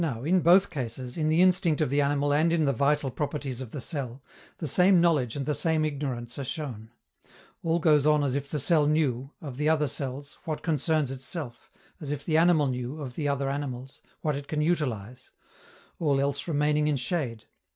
Now, in both cases, in the instinct of the animal and in the vital properties of the cell, the same knowledge and the same ignorance are shown. All goes on as if the cell knew, of the other cells, what concerns itself; as if the animal knew, of the other animals, what it can utilize all else remaining in shade.